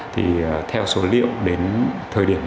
thì theo số liệu đến thời điểm nhất